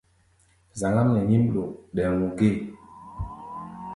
Zaŋ-ám nɛ nyím ɗo ɗɛ̧́ú̧ gée.